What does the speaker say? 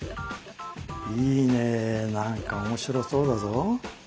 いいね何か面白そうだぞ。